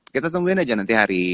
kita tungguin aja nanti hari